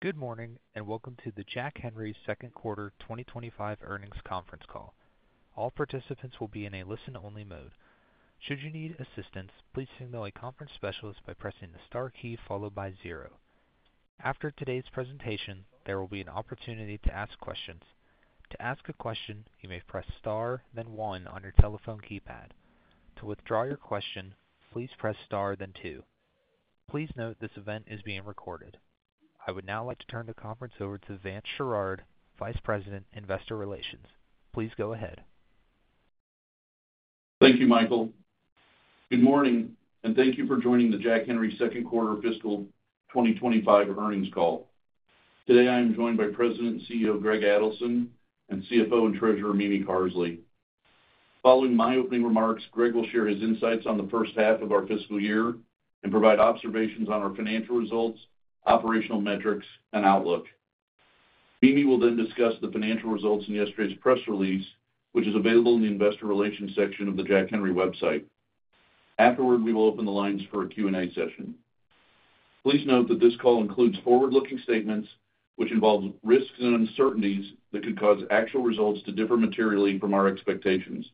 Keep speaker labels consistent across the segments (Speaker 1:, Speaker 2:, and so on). Speaker 1: Good morning and welcome to the Jack Henry Q2 2025 Eearnings Conference Call. All participants will be in a listen-only mode. Should you need assistance, please signal a conference specialist by pressing the star key followed by zero. After today's presentation, there will be an opportunity to ask questions. To ask a question, you may press star, then one on your telephone keypad. To withdraw your question, please press star, then two. Please note this event is being recorded. I would now like to turn the conference over to Vance Sherard, Vice President, Investor Relations. Please go ahead.
Speaker 2: Thank you, Michael. Good morning and thank you for joining the Jack Henry Q2 Fiscal 2025 Earnings Call. Today I am joined by President and CEO Greg Adelson and CFO and Treasurer Mimi Carsley. Following my opening remarks, Greg will share his insights on the first half of our fiscal year and provide observations on our financial results, operational metrics, and outlook. Mimi will then discuss the financial results in yesterday's press release, which is available in the Investor Relations section of the Jack Henry website. Afterward, we will open the lines for a Q&A session. Please note that this call includes forward-looking statements, which involve risks and uncertainties that could cause actual results to differ materially from our expectations.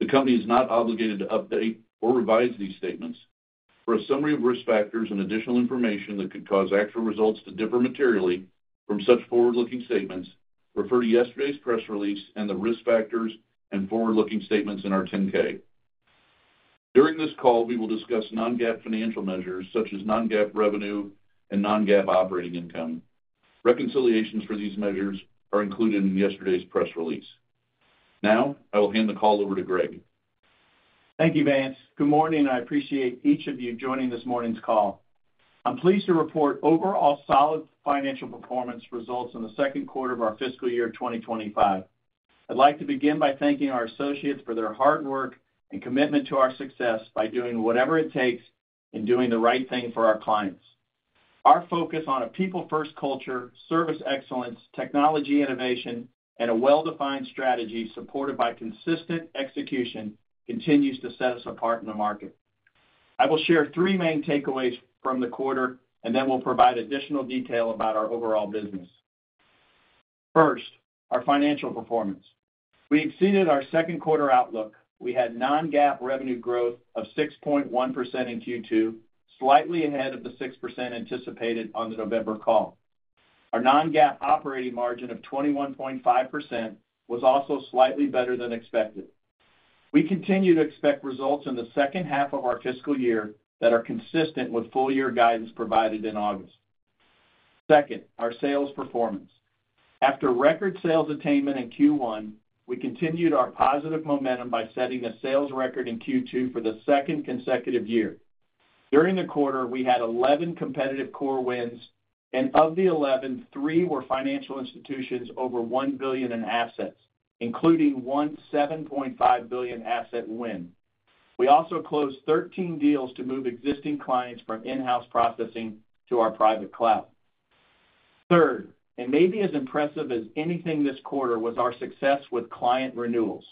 Speaker 2: The company is not obligated to update or revise these statements. For a summary of risk factors and additional information that could cause actual results to differ materially from such forward-looking statements, refer to yesterday's press release and the risk factors and forward-looking statements in our 10-K. During this call, we will discuss non-GAAP financial measures such as non-GAAP revenue and non-GAAP operating income. Reconciliations for these measures are included in yesterday's press release. Now, I will hand the call over to Greg.
Speaker 3: Thank you, Vance. Good morning and I appreciate each of you joining this morning's call. I'm pleased to report overall solid financial performance results in the Q2 of our fiscal year 2025. I'd like to begin by thanking our associates for their hard work and commitment to our success by doing whatever it takes in doing the right thing for our clients. Our focus on a people-first culture, service excellence, technology innovation, and a well-defined strategy supported by consistent execution continues to set us apart in the market. I will share three main takeaways from the quarter and then we'll provide additional detail about our overall business. First, our financial performance. We exceeded our Q2 outlook. We had non-GAAP revenue growth of 6.1% in Q2, slightly ahead of the 6% anticipated on the November call. Our non-GAAP operating margin of 21.5% was also slightly better than expected. We continue to expect results in the second half of our fiscal year that are consistent with full-year guidance provided in August. Second, our sales performance. After record sales attainment in Q1, we continued our positive momentum by setting a sales record in Q2 for the second consecutive year. During the quarter, we had 11 competitive core wins, and of the 11, three were financial institutions over 1 billion in assets, including one 7.5 billion asset win. We also closed 13 deals to move existing clients from in-house processing to our private cloud. Third, and maybe as impressive as anything this quarter was our success with client renewals.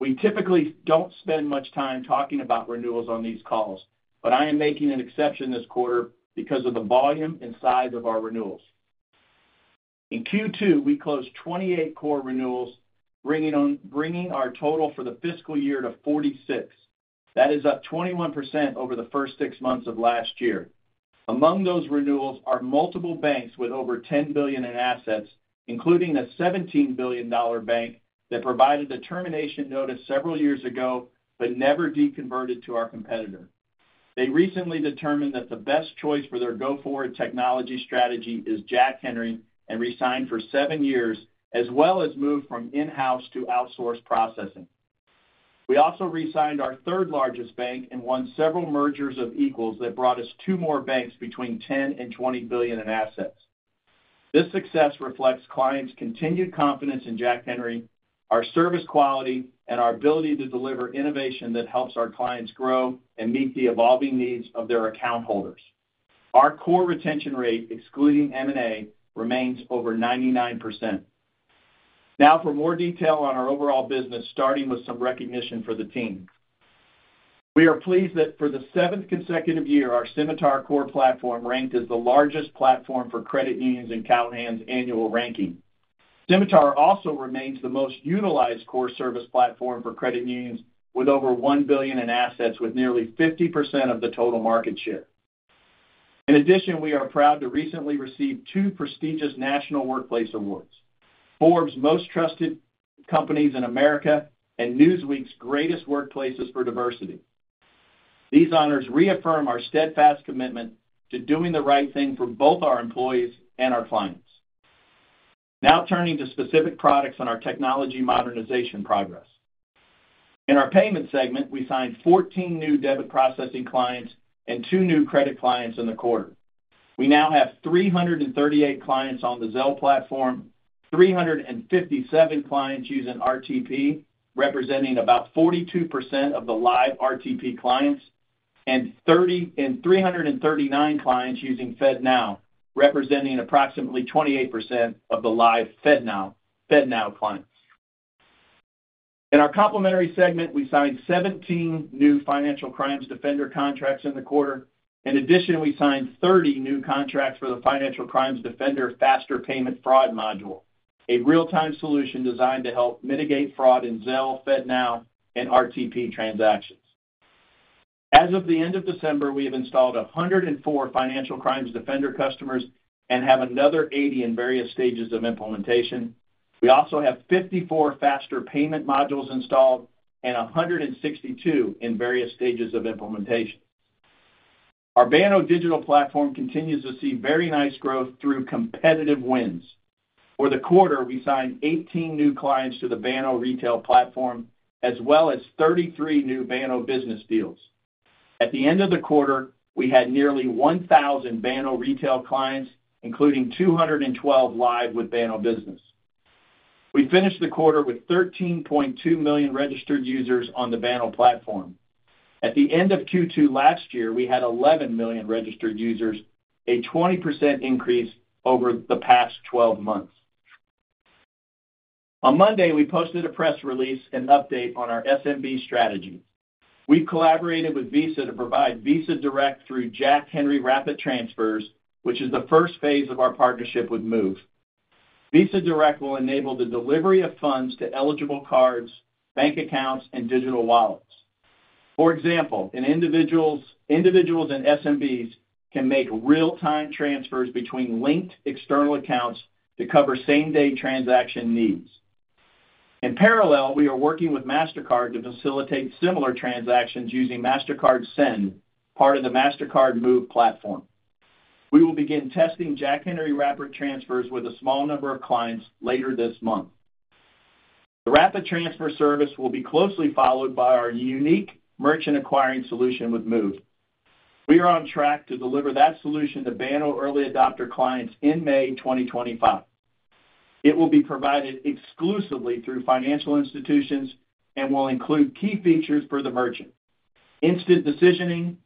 Speaker 3: We typically don't spend much time talking about renewals on these calls, but I am making an exception this quarter because of the volume and size of our renewals. In Q2, we closed 28 core renewals, bringing our total for the fiscal year to 46. That is up 21% over the first six months of last year. Among those renewals are multiple banks with over 10 billion in assets, including a $17 billion bank that provided a termination notice several years ago but never de-converted to our competitor. They recently determined that the best choice for their go-forward technology strategy is Jack Henry and re-signed for seven years, as well as moved from in-house to outsourced processing. We also re-signed our third-largest bank and won several mergers of equals that brought us two more banks between 10 and 20 billion in assets. This success reflects clients' continued confidence in Jack Henry, our service quality, and our ability to deliver innovation that helps our clients grow and meet the evolving needs of their account holders. Our core retention rate, excluding M&A, remains over 99%. Now for more detail on our overall business, starting with some recognition for the team. We are pleased that for the seventh consecutive year, our Symitar core platform ranked as the largest platform for credit unions in Callahan's annual ranking. Symitar also remains the most utilized core service platform for credit unions, with over one billion in assets, with nearly 50% of the total market share. In addition, we are proud to recently receive two prestigious National Workplace Awards, Forbes' Most Trusted Companies in America and Newsweek's Greatest Workplaces for Diversity. These honors reaffirm our steadfast commitment to doing the right thing for both our employees and our clients. Now turning to specific products and our technology modernization progress. In our payment segment, we signed 14 new debit processing clients and two new credit clients in the quarter. We now have 338 clients on the Zelle platform, 357 clients using RTP, representing about 42% of the live RTP clients, and 339 clients using FedNow, representing approximately 28% of the live FedNow clients. In our complementary segment, we signed 17 new Financial Crimes Defender contracts in the quarter. In addition, we signed 30 new contracts for the Financial Crimes Defender faster payment fraud module, a real-time solution designed to help mitigate fraud in Zelle, FedNow, and RTP transactions. As of the end of December, we have installed 104 Financial Crimes Defender customers and have another 80 in various stages of implementation. We also have 54 faster payment modules installed and 162 in various stages of implementation. Our Banno digital platform continues to see very nice growth through competitive wins. For the quarter, we signed 18 new clients to the Banno retail platform, as well as 33 new Banno business deals. At the end of the quarter, we had nearly 1,000 Banno retail clients, including 212 live with Banno business. We finished the quarter with 13.2 million registered users on the Banno platform. At the end of Q2 last year, we had 11 million registered users, a 20% increase over the past 12 months. On Monday, we posted a press release and update on our SMB strategy. We've collaborated with Visa to provide Visa Direct through Jack Henry Rapid Transfers, which is the first phase of our partnership with Move. Visa Direct will enable the delivery of funds to eligible cards, bank accounts, and digital wallets. For example, individuals and SMBs can make real-time transfers between linked external accounts to cover same-day transaction needs. In parallel, we are working with Mastercard to facilitate similar transactions using Mastercard Send, part of the Mastercard Move platform. We will begin testing Jack Henry Rapid Transfers with a small number of clients later this month. The Rapid Transfer service will be closely followed by our unique merchant acquiring solution with Move. We are on track to deliver that solution to Banno early adopter clients in May 2025. It will be provided exclusively through financial institutions and will include key features for the merchant, instant decisioning,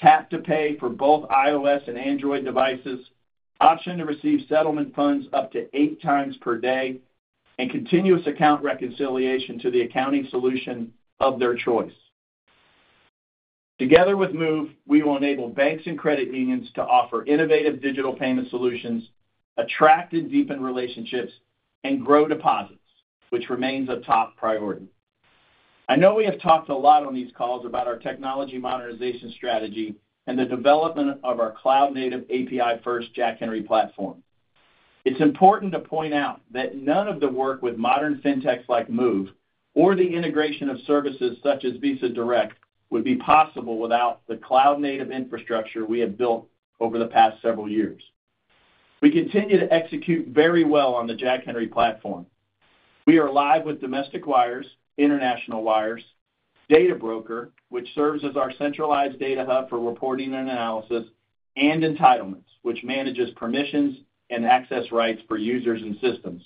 Speaker 3: tap-to-pay for both iOS and Android devices, option to receive settlement funds up to eight times per day, and continuous account reconciliation to the accounting solution of their choice. Together with Move, we will enable banks and credit unions to offer innovative digital payment solutions, attract and deepen relationships, and grow deposits, which remains a top priority. I know we have talked a lot on these calls about our technology modernization strategy and the development of our cloud-native API-first Jack Henry Platform. It's important to point out that none of the work with modern fintechs like Moov or the integration of services such as Visa Direct would be possible without the cloud-native infrastructure we have built over the past several years. We continue to execute very well on the Jack Henry Platform. We are live with domestic wires, international wires, data broker, which serves as our centralized data hub for reporting and analysis, and entitlements, which manages permissions and access rights for users and systems.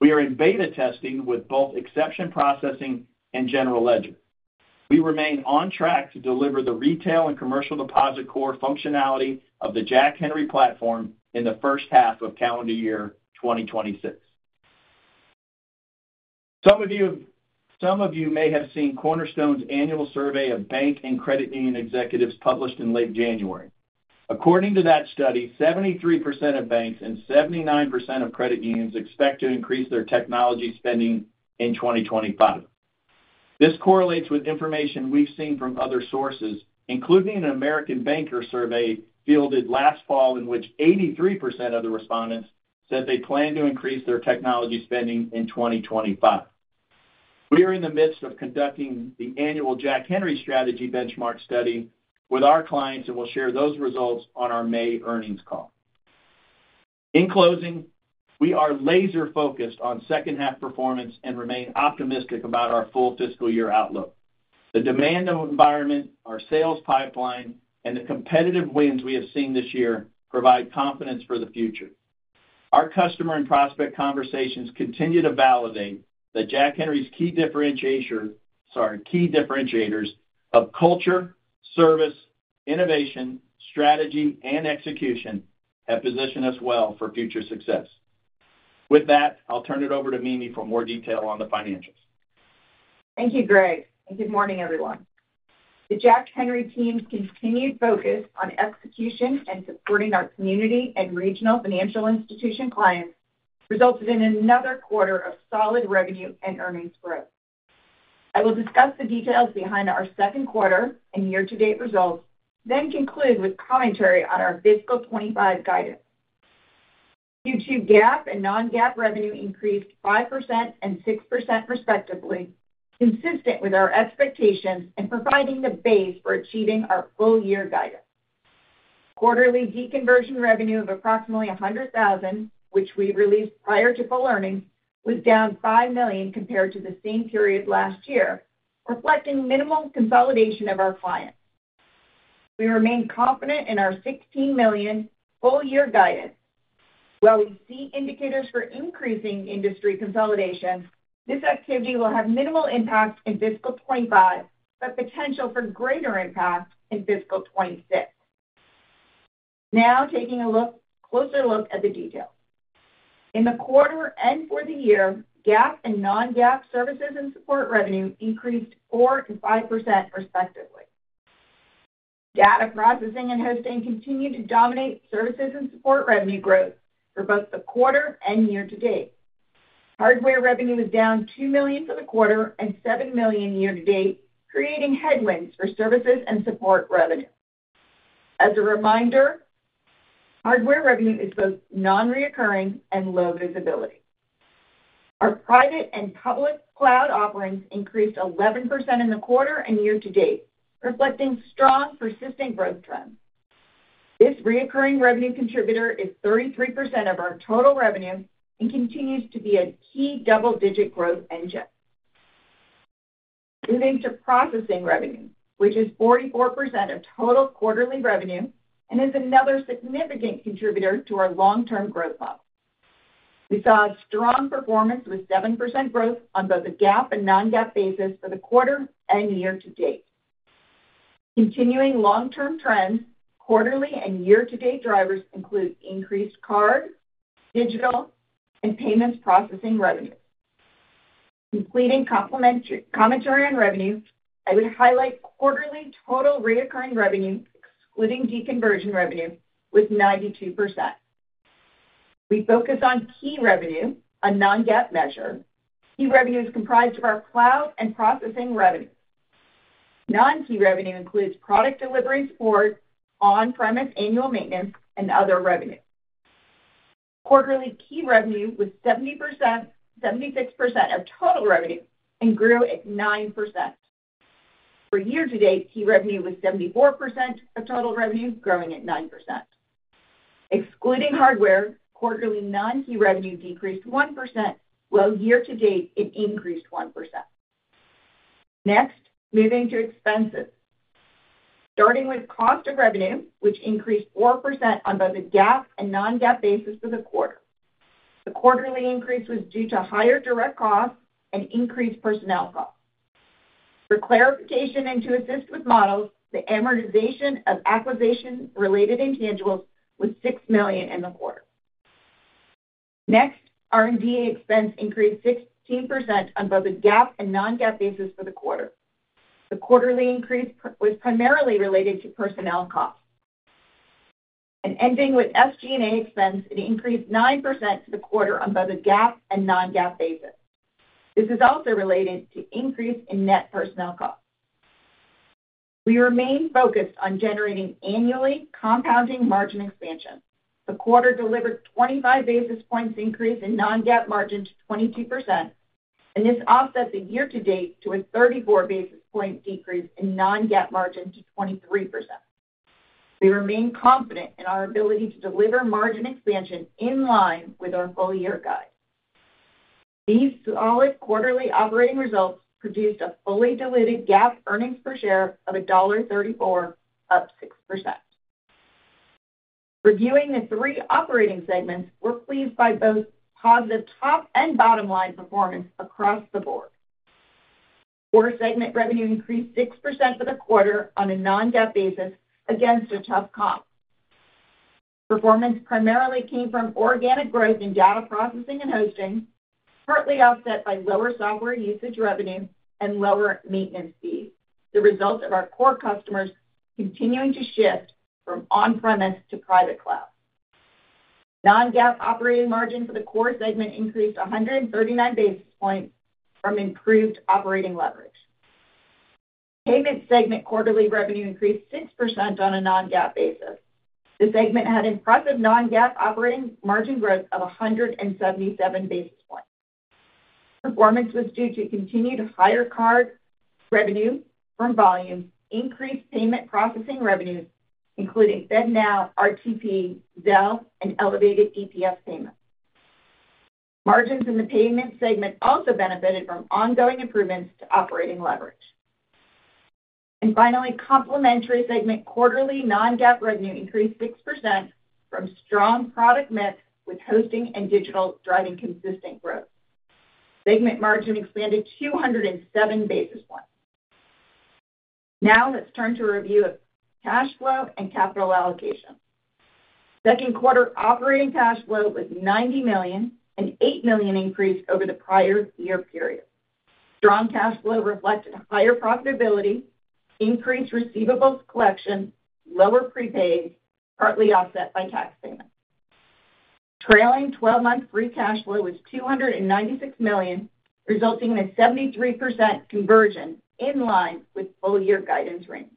Speaker 3: We are in beta testing with both exception processing and general ledger. We remain on track to deliver the retail and commercial deposit core functionality of the Jack Henry Platform in the first half of calendar year 2026. Some of you may have seen Cornerstone's annual survey of bank and credit union executives published in late January. According to that study, 73% of banks and 79% of credit unions expect to increase their technology spending in 2025. This correlates with information we've seen from other sources, including an American Banker survey fielded last fall, in which 83% of the respondents said they plan to increase their technology spending in 2025. We are in the midst of conducting the annual Jack Henry strategy benchmark study with our clients and will share those results on our May earnings call. In closing, we are laser-focused on second-half performance and remain optimistic about our full fiscal year outlook. The demand environment, our sales pipeline, and the competitive wins we have seen this year provide confidence for the future. Our customer and prospect conversations continue to validate that Jack Henry's key differentiators of culture, service, innovation, strategy, and execution have positioned us well for future success. With that, I'll turn it over to Mimi for more detail on the financials.
Speaker 4: Thank you, Greg. Good morning, everyone. The Jack Henry team's continued focus on execution and supporting our community and regional financial institution clients resulted in another quarter of solid revenue and earnings growth. I will discuss the details behind our Q2 and year-to-date results, then conclude with commentary on our fiscal 2025 guidance. Q2 GAAP and non-GAAP revenue increased 5% and 6% respectively, consistent with our expectations and providing the base for achieving our full-year guidance. Quarterly de-conversion revenue of approximately $100,000, which we released prior to full earnings, was down $5 million compared to the same period last year, reflecting minimal consolidation of our clients. We remain confident in our $16 million full-year guidance. While we see indicators for increasing industry consolidation, this activity will have minimal impact in fiscal 2025, but potential for greater impact in fiscal 2026. Now taking a closer look at the details. In the quarter and for the year, GAAP and non-GAAP services and support revenue increased 4% and 5% respectively. Data processing and hosting continue to dominate services and support revenue growth for both the quarter and year-to-date. Hardware revenue was down $2 million for the quarter and $7 million year-to-date, creating headwinds for services and support revenue. As a reminder, hardware revenue is both non-recurring and low visibility. Our private and public cloud offerings increased 11% in the quarter and year-to-date, reflecting strong persistent growth trends. This recurring revenue contributor is 33% of our total revenue and continues to be a key double-digit growth engine. Moving to processing revenue, which is 44% of total quarterly revenue and is another significant contributor to our long-term growth model. We saw strong performance with 7% growth on both a GAAP and non-GAAP basis for the quarter and year-to-date. Continuing long-term trends, quarterly and year-to-date drivers include increased card, digital, and payments processing revenues. Completing commentary on revenue, I would highlight quarterly total recurring revenue, excluding de-conversion revenue, with 92%. We focus on key revenue, a non-GAAP measure. Key revenue is comprised of our cloud and processing revenue. Non-key revenue includes product delivery support, on-premise annual maintenance, and other revenue. Quarterly key revenue was 76% of total revenue and grew at 9%. For year-to-date, key revenue was 74% of total revenue, growing at 9%. Excluding hardware, quarterly non-key revenue decreased 1%, while year-to-date, it increased 1%. Next, moving to expenses. Starting with cost of revenue, which increased 4% on both a GAAP and non-GAAP basis for the quarter. The quarterly increase was due to higher direct costs and increased personnel costs. For clarification and to assist with models, the amortization of acquisition-related intangibles was $6 million in the quarter. Next, R&D expense increased 16% on both a GAAP and non-GAAP basis for the quarter. The quarterly increase was primarily related to personnel costs. Ending with SG&A expense, it increased 9% for the quarter on both a GAAP and non-GAAP basis. This is also related to increase in net personnel costs. We remain focused on generating annually compounding margin expansion. The quarter delivered 25 basis points increase in non-GAAP margin to 22%, and this offsets the year-to-date to a 34 basis point decrease in non-GAAP margin to 23%. We remain confident in our ability to deliver margin expansion in line with our full-year guide. These solid quarterly operating results produced a fully diluted GAAP earnings per share of $1.34, up 6%. Reviewing the three operating segments, we're pleased by both positive top and bottom line performance across the board. Core segment revenue increased 6% for the quarter on a non-GAAP basis against a tough comp. Performance primarily came from organic growth in data processing and hosting, partly offset by lower software usage revenue and lower maintenance fees, the result of our core customers continuing to shift from on-premise to private cloud. Non-GAAP operating margin for the core segment increased 139 basis points from improved operating leverage. Payment segment quarterly revenue increased 6% on a non-GAAP basis. The segment had impressive non-GAAP operating margin growth of 177 basis points. Performance was due to continued higher card revenue from volume, increased payment processing revenues, including FedNow, RTP, Zelle, and elevated EPS payments. Margins in the payment segment also benefited from ongoing improvements to operating leverage. And finally, complementary segment quarterly non-GAAP revenue increased 6% from strong product mix with hosting and digital driving consistent growth. Segment margin expanded 207 basis points. Now let's turn to a review of cash flow and capital allocation. Q2 operating cash flow was $90 million, an $8 million increase over the prior year period. Strong cash flow reflected higher profitability, increased receivables collection, lower prepaids, partly offset by tax payments. Trailing 12-month free cash flow was $296 million, resulting in a 73% conversion in line with full-year guidance range.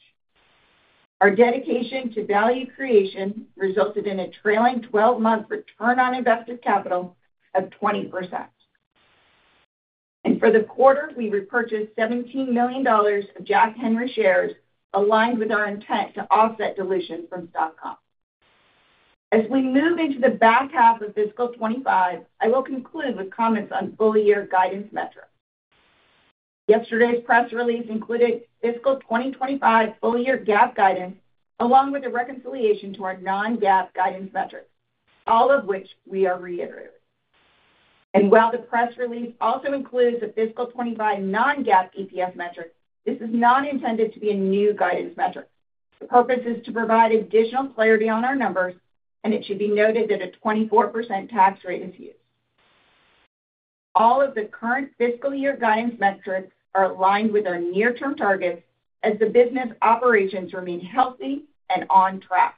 Speaker 4: Our dedication to value creation resulted in a trailing 12-month return on invested capital of 20%, and for the quarter, we repurchased $17 million of Jack Henry shares, aligned with our intent to offset dilution from stock comp. As we move into the back half of fiscal 2025, I will conclude with comments on full-year guidance metrics. Yesterday's press release included fiscal 2025 full-year GAAP guidance, along with a reconciliation to our non-GAAP guidance metrics, all of which we are reiterating. While the press release also includes the fiscal 2025 non-GAAP EPS metric, this is not intended to be a new guidance metric. The purpose is to provide additional clarity on our numbers, and it should be noted that a 24% tax rate is used. All of the current fiscal year guidance metrics are aligned with our near-term targets as the business operations remain healthy and on track.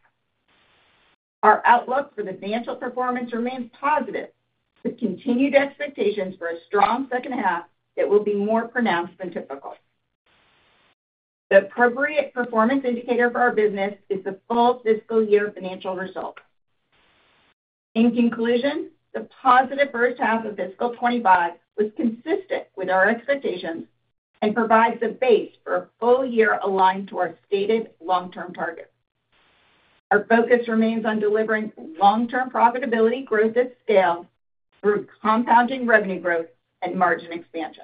Speaker 4: Our outlook for the financial performance remains positive, with continued expectations for a strong second half that will be more pronounced than typical. The appropriate performance indicator for our business is the full fiscal year financial results. In conclusion, the positive first half of fiscal 2025 was consistent with our expectations and provides the base for a full year aligned to our stated long-term target. Our focus remains on delivering long-term profitability growth at scale through compounding revenue growth and margin expansion.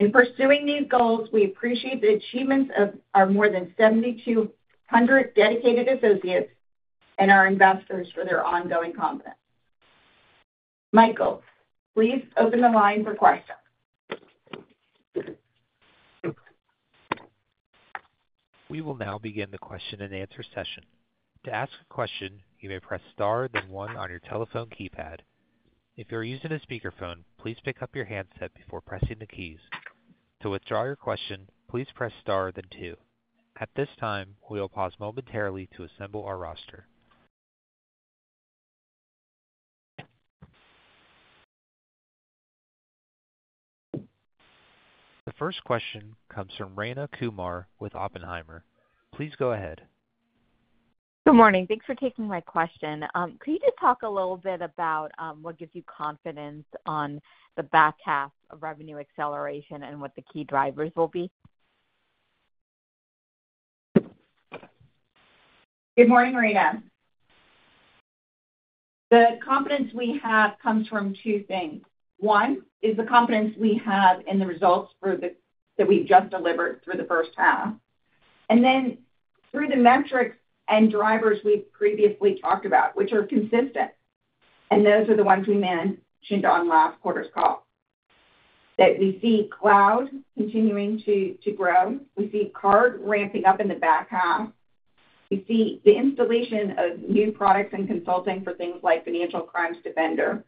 Speaker 4: In pursuing these goals, we appreciate the achievements of our more than 7,200 dedicated associates and our investors for their ongoing confidence. Michael, please open the line for questions.
Speaker 1: We will now begin the question and answer session. To ask a question, you may press star then one on your telephone keypad. If you're using a speakerphone, please pick up your handset before pressing the keys. To withdraw your question, please press star then two. At this time, we'll pause momentarily to assemble our roster. The first question comes from Rayna Kumar with Oppenheimer. Please go ahead.
Speaker 5: Good morning thanks for taking my question. Could you just talk a little bit about what gives you confidence on the back half of revenue acceleration and what the key drivers will be?
Speaker 4: Good morning, Rayna. The confidence we have comes from two things. One is the confidence we have in the results that we've just delivered through the first half, and then through the metrics and drivers we've previously talked about, which are consistent, and those are the ones we mentioned on last quarter's call. That we see cloud continuing to grow, We see card ramping up in the back half. We see the installation of new products and consulting for things like Financial Crimes Defender.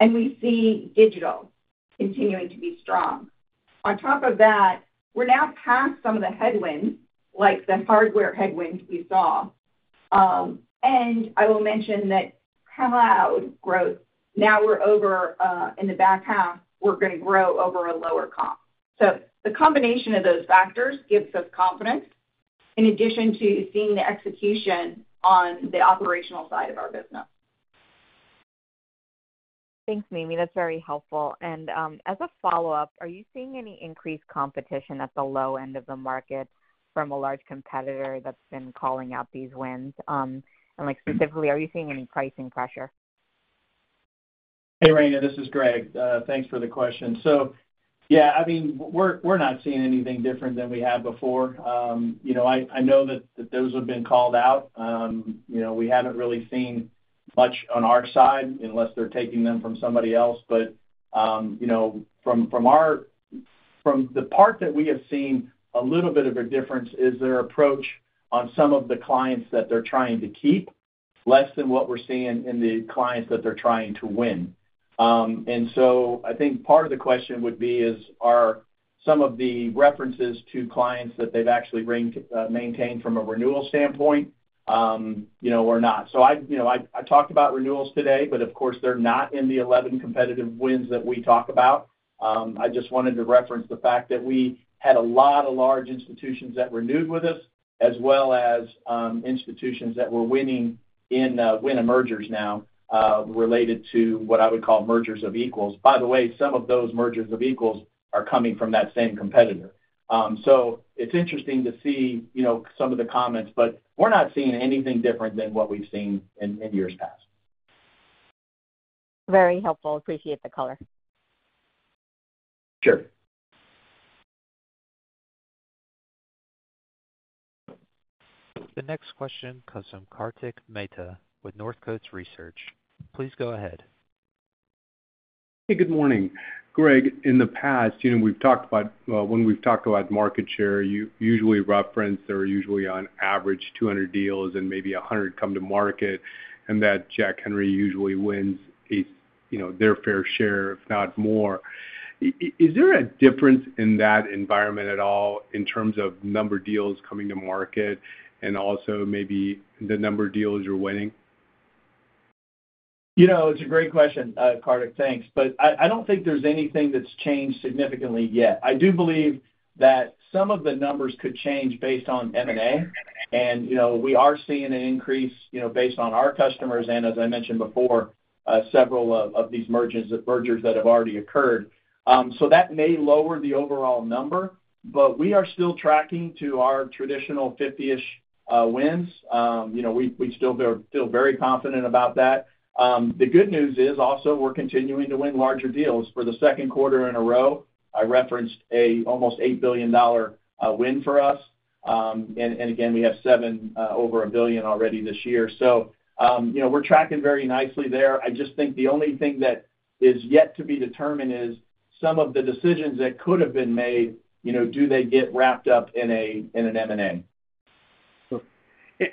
Speaker 4: And we see digital continuing to be strong. On top of that, we're now past some of the headwinds, like the hardware headwinds we saw. And I will mention that cloud growth, now we're over in the back half, we're going to grow over a lower comp. So the combination of those factors gives us confidence, in addition to seeing the execution on the operational side of our business.
Speaker 5: Thanks, Mimi. That's very helpful, and as a follow-up, are you seeing any increased competition at the low end of the market from a large competitor that's been calling out these wins? And specifically, are you seeing any pricing pressure?
Speaker 3: Hey, Rayna this is Greg. Thanks for the question. So yeah, I mean, we're not seeing anything different than we had before. I know that those have been called out. We haven't really seen much on our side unless they're taking them from somebody else but from the part that we have seen, a little bit of a difference is their approach on some of the clients that they're trying to keep, less than what we're seeing in the clients that they're trying to win. And so I think part of the question would be, are some of the references to clients that they've actually maintained from a renewal standpoint or not? So I talked about renewals today, but of course, they're not in the 11 competitive wins that we talk about. I just wanted to reference the fact that we had a lot of large institutions that renewed with us, as well as institutions that were winning in winner mergers now related to what I would call mergers of equals by the way, some of those mergers of equals are coming from that same competitor. So it's interesting to see some of the comments, but we're not seeing anything different than what we've seen in years past.
Speaker 5: Very helpful, Appreciate the color.
Speaker 3: Sure.
Speaker 1: The next question, Kartik Mehta with North Coast Research. Please go ahead.
Speaker 6: Hey, good morning. Greg, in the past, we've talked about market share, you usually reference there are usually on average 200 deals and maybe 100 come to market, and that Jack Henry usually wins their fair share, if not more. Is there a difference in that environment at all in terms of number of deals coming to market and also maybe the number of deals you're winning?
Speaker 3: It's a great question, Kartik thanks, But I don't think there's anything that's changed significantly yet. I do believe that some of the numbers could change based on M&A, and we are seeing an increase based on our customers and, as I mentioned before, several of these mergers that have already occurred. So that may lower the overall number, but we are still tracking to our traditional 50-ish wins. We still feel very confident about that. The good news is also we're continuing to win larger deals for the Q2 in a row. I referenced an almost $8 billion win for us. And again, we have seven over a billion already this year. So we're tracking very nicely there i just think the only thing that is yet to be determined is some of the decisions that could have been made, do they get wrapped up in an M&A?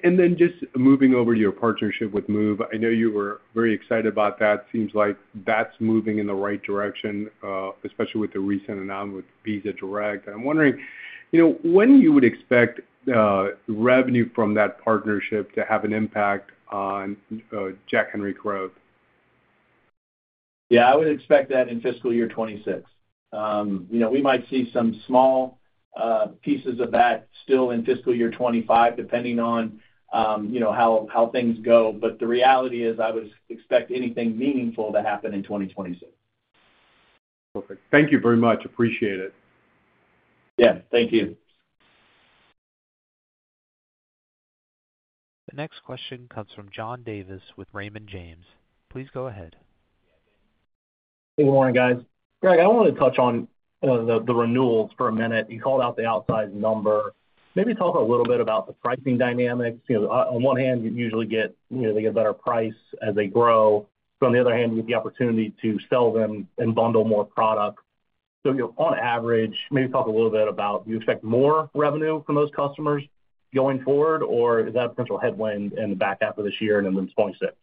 Speaker 6: And then just moving over to your partnership with Move, I know you were very excited about that it seems like that's moving in the right direction, especially with the recent announcement with Visa Direct and I'm wondering when you would expect revenue from that partnership to have an impact on Jack Henry growth?
Speaker 3: Yeah, I would expect that in fiscal year 2026. We might see some small pieces of that still in fiscal year 2025, depending on how things go but the reality is I would expect anything meaningful to happen in 2026.
Speaker 6: Perfect. Thank you very much. Appreciate it.
Speaker 3: Yeah. Thank you.
Speaker 1: The next question comes from John Davis with Raymond James. Please go ahead.
Speaker 7: Hey, good morning, guys. Greg, I want to touch on the renewals for a minute you called out the outsized number. Maybe talk a little bit about the pricing dynamics on one hand, you usually get they get a better price as they grow. But on the other hand, you get the opportunity to sell them and bundle more product. So on average, maybe talk a little bit about do you expect more revenue from those customers going forward, or is that a potential headwind in the back half of this year and into 2026?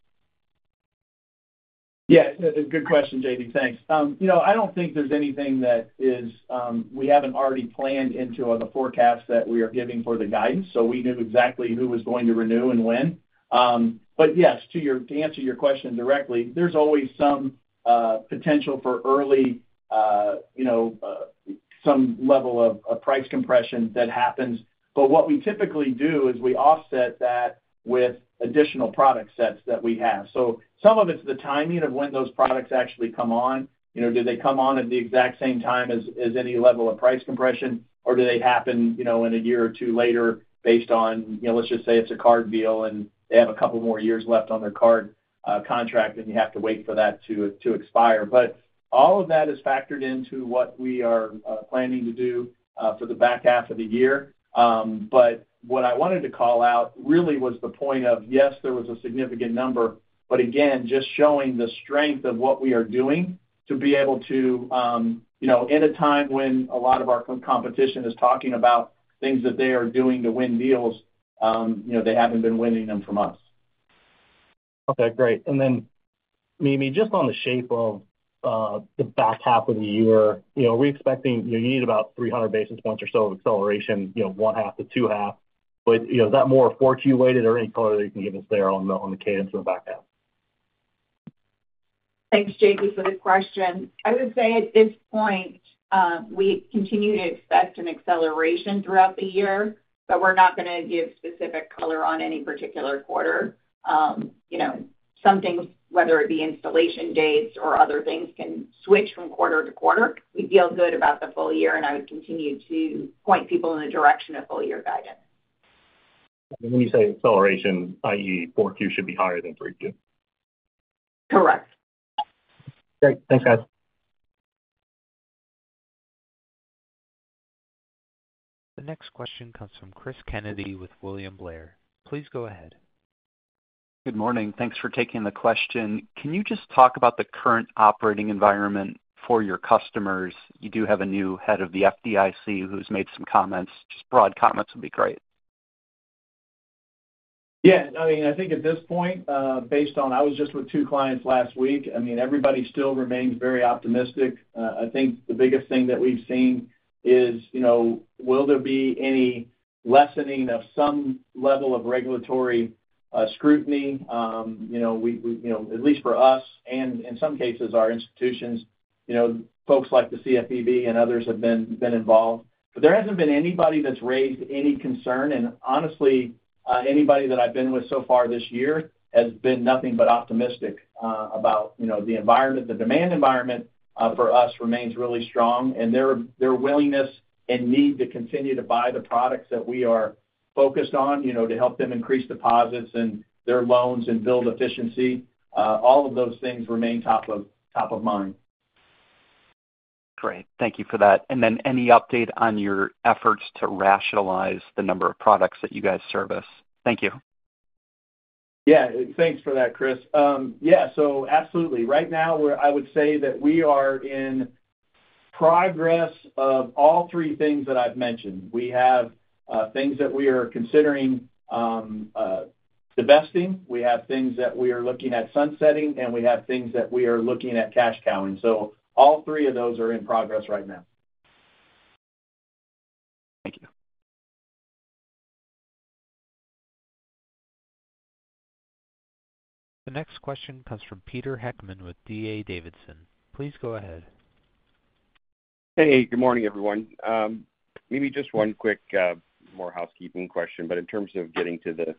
Speaker 3: Yeah. Good question, JD. Thanks. I don't think there's anything that we haven't already planned into the forecast that we are giving for the guidance, so we knew exactly who was going to renew and when. But yes, to answer your question directly, there's always some potential for early some level of price compression that happens. But what we typically do is we offset that with additional product sets that we have. So some of it's the timing of when those products actually come on. Do they come on at the exact same time as any level of price compression, or do they happen in a year or two later based on, let's just say, it's a card deal and they have a couple more years left on their card contract and you have to wait for that to expire? But all of that is factored into what we are planning to do for the back half of the year. But what I wanted to call out really was the point of, yes, there was a significant number, but again, just showing the strength of what we are doing to be able to, in a time when a lot of our competition is talking about things that they are doing to win deals, they haven't been winning them from us.
Speaker 7: Okay great and then, Mimi, just on the shape of the back half of the year, are we expecting you need about 300 basis points or so of acceleration, first half to second half? But is that more front-end weighted or any color that you can give us there on the cadence of the back half?
Speaker 4: Thanks, JD, for the question. I would say at this point, we continue to expect an acceleration throughout the year, but we're not going to give specific color on any particular quarter. Some things, whether it be installation dates or other things, can switch from quarter to quarter. We feel good about the full year, and I would continue to point people in the direction of full-year guidance.
Speaker 7: When you say acceleration, i.e., 4Q should be higher than 3Q?
Speaker 4: Correct.
Speaker 7: Great thanks, guys.
Speaker 1: The next question comes from Chris Kennedy with William Blair. Please go ahead.
Speaker 8: Good morning thanks for taking the question, Can you just talk about the current operating environment for your customers? You do have a new head of the FDIC who's made some comments. Just broad comments would be great.
Speaker 3: Yeah. I mean, I think at this point, based on i was just with two clients last week i mean, everybody still remains very optimistic. I think the biggest thing that we've seen is, will there be any lessening of some level of regulatory scrutiny, at least for us and in some cases, our institutions? Folks like the CFPB and others have been involved. But there hasn't been anybody that's raised any concern. Honestly, anybody that I've been with so far this year has been nothing but optimistic about the environment the demand environment for us remains really strong their willingness and need to continue to buy the products that we are focused on to help them increase deposits and their loans and build efficiency, all of those things remain top of mind.
Speaker 9: Great. Thank you for that and then any update on your efforts to rationalize the number of products that you guys service? Thank you.
Speaker 3: Yeah thanks for that, Chris, Yeah. So absolutely right now, I would say that we are in progress of all three things that I've mentioned, We have things that we are considering divesting, We have things that we are looking at sunsetting, and we have things that we are looking at cash cowing. So all three of those are in progress right now.
Speaker 9: Thank you.
Speaker 1: The next question comes from Peter Heckman with D.A. Davidson. Please go ahead.
Speaker 10: Hey, good morning, everyone. Maybe just one quick more housekeeping question but in terms of getting to the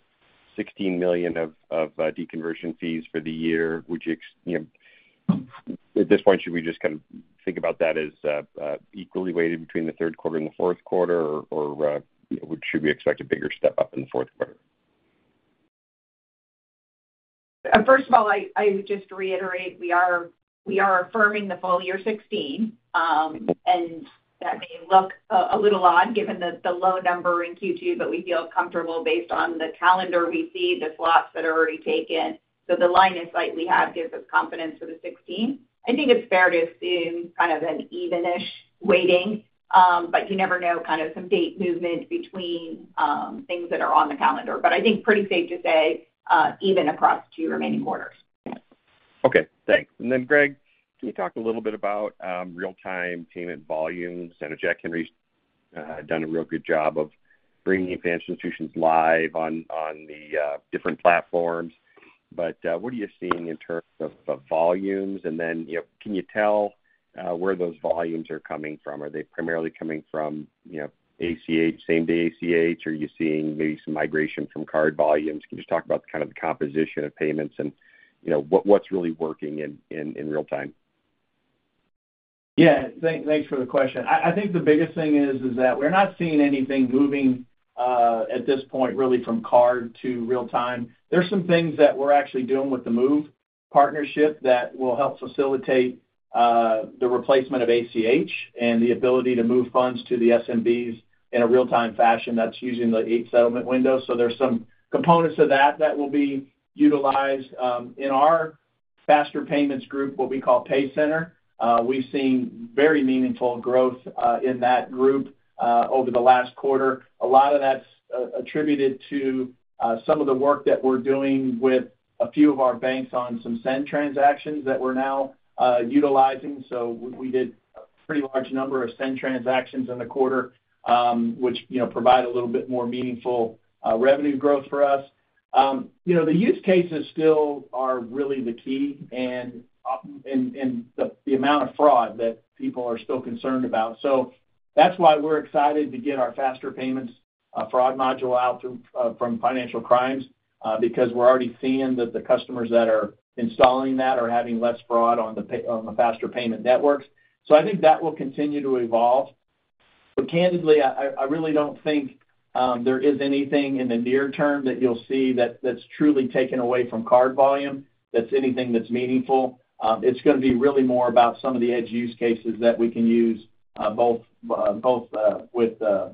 Speaker 10: $16 million of deconversion fees for the year, at this point, should we just kind of think about that as equally weighted between the Q3 and the Q4, or should we expect a bigger step up in the Q4?
Speaker 4: First of all, I would just reiterate, we are affirming the full year 2016, and that may look a little odd given the low number in Q2, but we feel comfortable based on the calendar we see, the slots that are already taken, so the line of sight we have gives us confidence for the 2016. I think it's fair to assume kind of an even-ish weighting, but you never know kind of some date movement between things that are on the calendar, but I think pretty safe to say even across two remaining quarters.
Speaker 10: Okay thanks and then, Greg, can you talk a little bit about real-time payment volumes? I know Jack Henry's done a real good job of bringing adopting institutions live on the different platforms. But what are you seeing in terms of volumes? And then can you tell where those volumes are coming from? Are they primarily coming from same-day ACH, or are you seeing maybe some migration from card volumes, Can you just talk about kind of the composition of payments and what's really working in real-time?
Speaker 3: Yeah. Thanks for the question i think the biggest thing is that we're not seeing anything moving at this point really from card to real-time. There are some things that we're actually doing with the Move partnership that will help facilitate the replacement of ACH and the ability to move funds to the SMBs in a real-time fashion that's using the eight-settlement window so there are some components of that that will be utilized. In our faster payments group, what we call PayCenter, we've seen very meaningful growth in that group over the last quarter. A lot of that's attributed to some of the work that we're doing with a few of our banks on some send transactions that we're now utilizing so we did a pretty large number of send transactions in the quarter, which provide a little bit more meaningful revenue growth for us. The use cases still are really the key and the amount of fraud that people are still concerned about. So that's why we're excited to get our faster payments fraud module out from financial crimes because we're already seeing that the customers that are installing that are having less fraud on the faster payment networks so I think that will continue to evolve. But candidly, I really don't think there is anything in the near term that you'll see that's truly taken away from card volume that's anything that's meaningful. It's going to be really more about some of the edge use cases that we can use both with the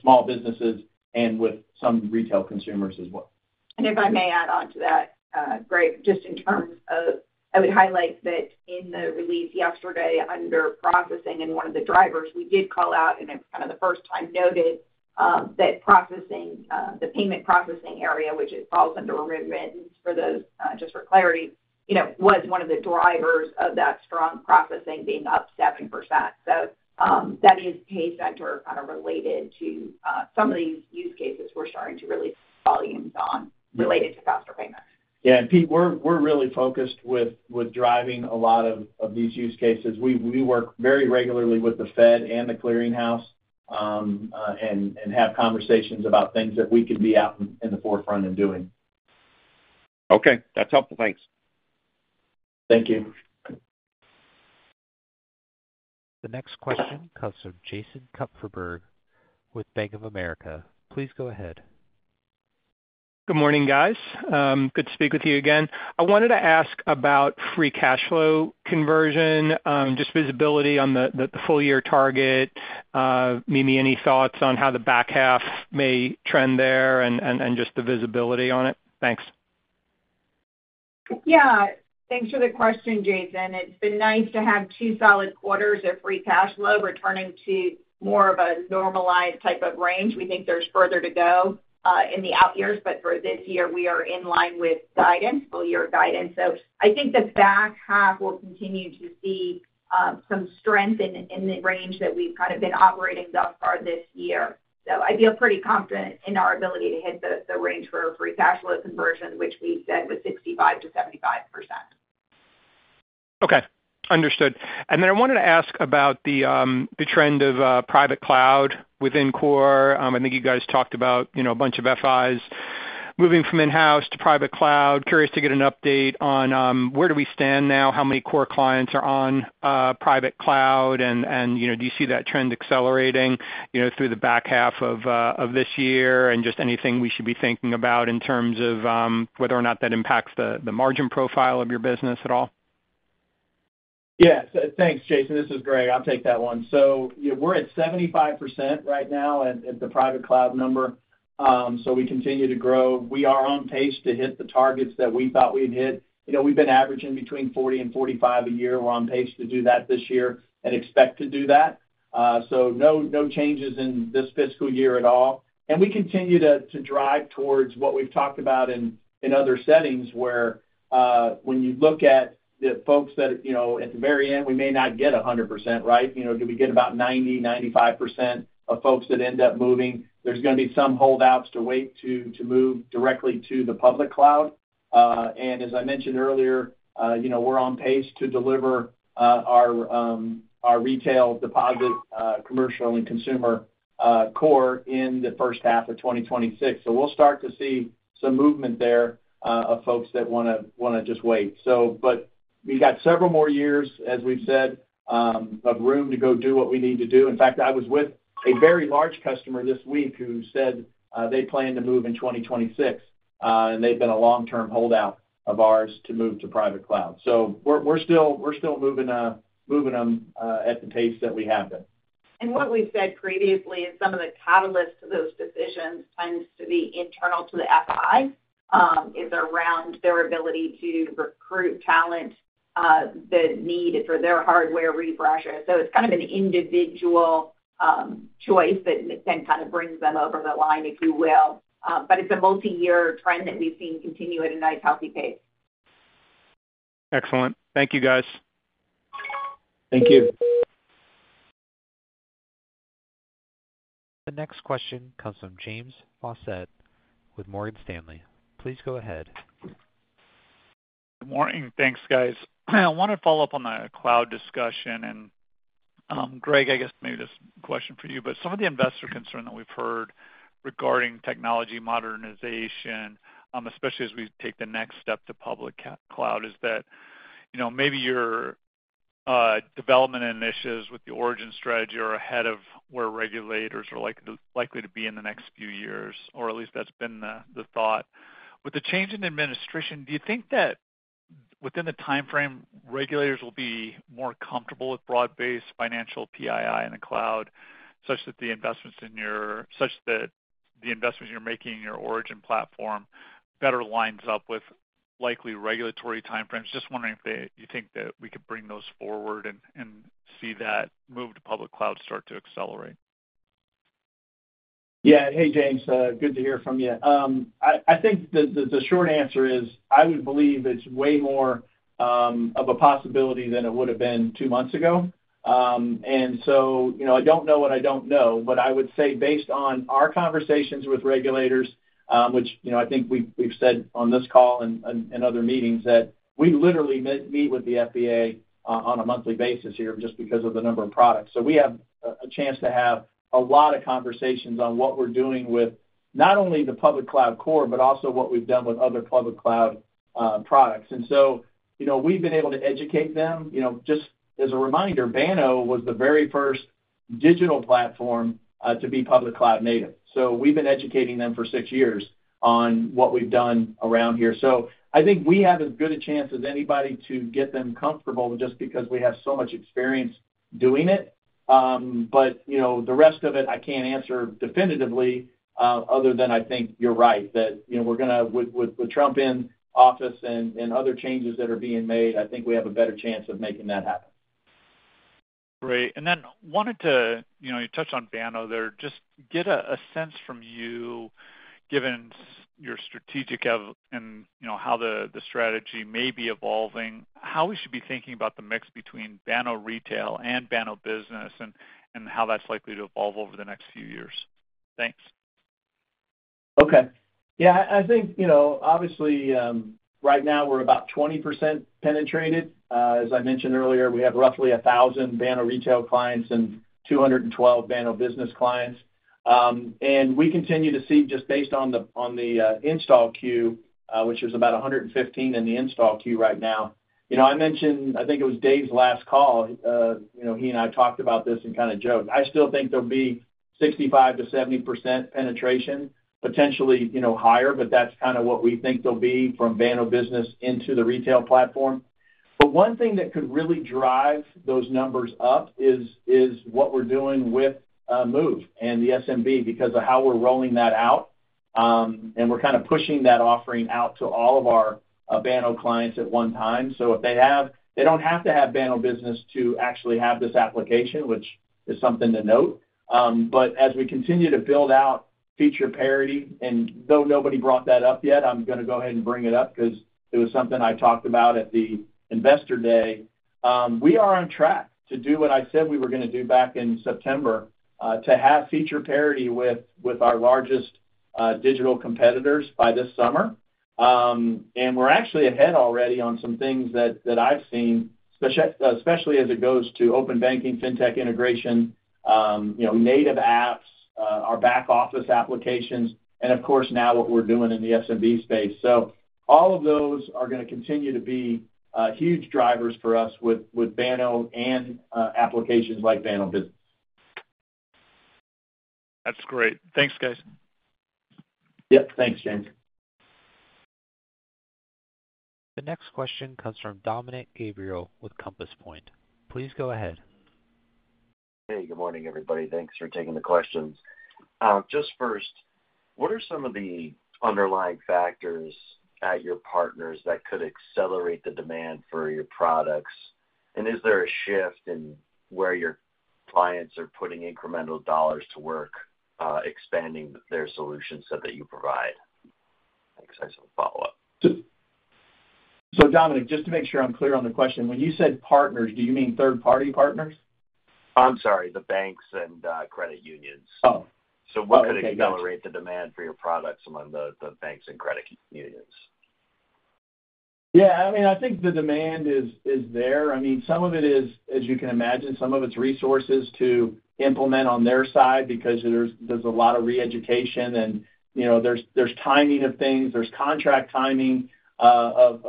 Speaker 3: small businesses and with some retail consumers as well.
Speaker 4: If I may add on to that, Greg, just in terms of I would highlight that in the release yesterday under processing and one of the drivers, we did call out, and it was kind of the first time noted that processing, the payment processing area, which falls under revenue, and for those, just for clarity, was one of the drivers of that strong processing being up 7% so that is PayCenter kind of related to some of these use cases we're starting to realize volumes on related to faster payments.
Speaker 3: Yeah and Pete, we're really focused with driving a lot of these use cases we work very regularly with the Fed and the Clearing House and have conversations about things that we can be out in the forefront and doing.
Speaker 10: Okay. That's helpful. Thanks.
Speaker 3: Thank you.
Speaker 1: The next question comes from Jason Kupferberg with Bank of America, Please go ahead.
Speaker 11: Good morning, guys. Good to speak with you again. I wanted to ask about free cash flow conversion, just visibility on the full-year target. Mimi, any thoughts on how the back half may trend there and just the visibility on it? Thanks.
Speaker 4: Yeah. Thanks for the question, Jason it's been nice to have two solid quarters of free cash flow returning to more of a normalized type of range we think there's further to go in the out years, but for this year, we are in line with guidance, full-year guidance so I think the back half will continue to see some strength in the range that we've kind of been operating thus far this year. So I feel pretty confident in our ability to hit the range for free cash flow conversion, which we said was 65%-75%.
Speaker 11: Okay. Understood. And then I wanted to ask about the trend of private cloud within core. I think you guys talked about a bunch of FIs moving from in-house to private cloud curious to get an update on where we stand now, how many core clients are on private cloud, and do you see that trend accelerating through the back half of this year, and just anything we should be thinking about in terms of whether or not that impacts the margin profile of your business at all?
Speaker 3: Yeah. Thanks, Jason this is Greg, I'll take that one so we're at 75% right now at the private cloud number. So we continue to grow. We are on pace to hit the targets that we thought we'd hit. We've been averaging between 40 and 45 a year we're on pace to do that this year and expect to do that. So no changes in this fiscal year at all. And we continue to drive towards what we've talked about in other settings where when you look at the folks that at the very end, we may not get 100%, right? Do we get about 90%, 95% of folks that end up moving? There's going to be some holdouts to wait to move directly to the public cloud. As I mentioned earlier, we're on pace to deliver our retail deposit commercial and consumer core in the first half of 2026 so we'll start to see some movement there of folks that want to just wait. But we've got several more years, as we've said, of room to go do what we need to do in fact, I was with a very large customer this week who said they plan to move in 2026, and they've been a long-term holdout of ours to move to private cloud so we're still moving them at the pace that we have been.
Speaker 4: And what we've said previously is some of the catalysts to those decisions tends to be internal to the FI, is around their ability to recruit talent, the need for their hardware refreshers so it's kind of an individual choice that then kind of brings them over the line, if you will. But it's a multi-year trend that we've seen continue at a nice, healthy pace.
Speaker 11: Excellent. Thank you, guys.
Speaker 3: Thank you.
Speaker 1: The next question comes from James Faucette with Morgan Stanley. Please go ahead.
Speaker 12: Good morning thanks, guys. I wanted to follow up on the cloud discussion, and Greg, I guess maybe this question for you, but some of the investor concern that we've heard regarding technology modernization, especially as we take the next step to public cloud, is that maybe your development initiatives with the origin strategy are ahead of where regulators are likely to be in the next few years, or at least that's been the thought. With the change in administration, do you think that within the timeframe, regulators will be more comfortable with broad-based financial PII in the cloud such that the investments you're making in your origin platform better lines up with likely regulatory timeframes? Just wondering if you think that we could bring those forward and see that move to public cloud start to accelerate.
Speaker 3: Yeah. Hey James good to hear from you. I think the short answer is I would believe it's way more of a possibility than it would have been two months ago. And so I don't know what I don't know, but I would say based on our conversations with regulators, which I think we've said on this call and other meetings that we literally meet with the ABA on a monthly basis here just because of the number of products so we have a chance to have. A lot of conversations on what we're doing with not only the public cloud core, but also what we've done with other public cloud products. And so we've been able to educate them just as a reminder, Banno was the very first digital platform to be public cloud native. So we've been educating them for six years on what we've done around here. So, I think we have as good a chance as anybody to get them comfortable just because we have so much experience doing it. But the rest of it, I can't answer definitively other than I think you're right that we're going to, with Trump in office and other changes that are being made, I think we have a better chance of making that happen.
Speaker 12: Great. And then wanted to, you touched on Banno there, just get a sense from you, given your strategy and how the strategy may be evolving, how we should be thinking about the mix between Banno Retail and Banno Business and how that's likely to evolve over the next few years. Thanks.
Speaker 3: Okay. Yeah i think obviously right now we're about 20% penetrated. As I mentioned earlier, we have roughly 1,000 Banno Retail clients and 212 Banno Business clients, and we continue to see just based on the install queue, which is about 115 in the install queue right now. I mentioned, I think it was Dave's last call, he and I talked about this and kind of joked. I still think there'll be 65%-70% penetration, potentially higher, but that's kind of what we think there'll be from Banno Business into the retail platform, but one thing that could really drive those numbers up is what we're doing with Move and the SMB because of how we're rolling that out. And we're kind of pushing that offering out to all of our Banno clients at one time so if they have, they don't have to have Banno Business to actually have this application, which is something to note. But as we continue to build out feature parity, and though nobody brought that up yet, I'm going to go ahead and bring it up because it was something I talked about at the investor day. We are on track to do what I said we were going to do back in September, to have feature parity with our largest digital competitors by this summer. And we're actually ahead already on some things that I've seen, especially as it goes to open banking, fintech integration, native apps, our back office applications, and of course now what we're doing in the SMB space so, all of those are going to continue to be huge drivers for us with Banno and applications like Banno Business.
Speaker 12: That's great. Thanks, guys.
Speaker 3: Yep. Thanks, James.
Speaker 1: The next question comes from Dominic Gabriele with Compass Point. Please go ahead.
Speaker 13: Hey, good morning, everybody thanks for taking the questions. Just first, what are some of the underlying factors at your partners that could accelerate the demand for your products? And is there a shift in where your clients are putting incremental dollars to work, expanding their solutions that you provide? Thanks i just want to follow up.
Speaker 3: So Dominic, just to make sure I'm clear on the question, when you said partners, do you mean third-party partners?
Speaker 13: I'm sorry, the banks and credit unions.
Speaker 3: Oh, okay.
Speaker 13: What could accelerate the demand for your products among the banks and credit unions?
Speaker 3: Yeah i mean, I think the demand is there. I mean, some of it is, as you can imagine, some of it's resources to implement on their side because there's a lot of reeducation and there's timing of things there's contract timing of